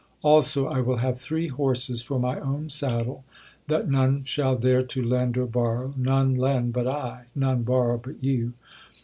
Also, I will have three horses for my own saddle, that none shall dare to lend or borrow; none lend but I, none borrow but you.